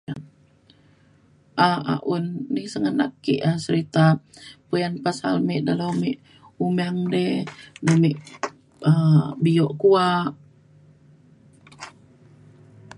um un ni sengganak ke um serita puyan pasal me dalau me umang di du me um bio kuak.